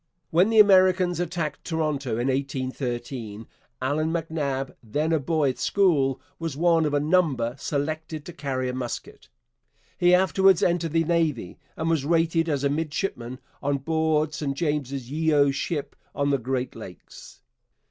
When the Americans attacked Toronto in 1813, Allan MacNab, then a boy at school, was one of a number selected to carry a musket. He afterwards entered the Navy and was rated as a midshipman on board Sir James Yeo's ship on the Great Lakes.